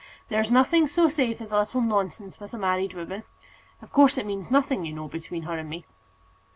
There's nothing so safe as a little nonsense with a married woman. Of course, it means nothing, you know, between her and me."